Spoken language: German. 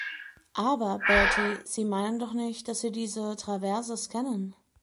Aber, Bertie, Sie meinen doch nicht, dass Sie diese Traverses kennen?